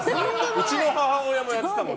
うちの母親もやってたもん。